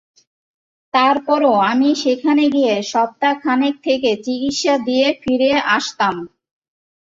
তারপরও আমি সেখানে গিয়ে সপ্তাহ খানেক থেকে চিকিৎসা দিয়ে ফিরে আসতাম।